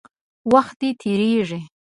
وخت دی، تېرېږي.